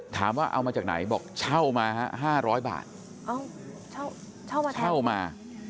ถามว่าเอามาจากไหนบอกเช่ามาฮะห้าร้อยบาทเอาเช่าเช่ามา